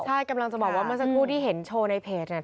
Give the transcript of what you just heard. ใช่กำลังจะบอกว่าเมื่อสักครู่ที่เห็นโชว์ในเพจเนี่ย